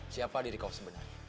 siapa diri kau sebenarnya